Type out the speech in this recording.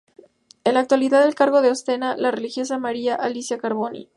En la actualidad el cargo lo ostenta la religiosa María Alicia Carboni.